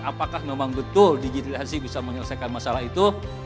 apakah memang betul digitalisasi bisa menyelesaikan masalah itu